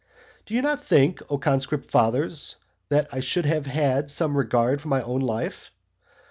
Do you not think, O Conscript fathers, that I should have some regard for my own life?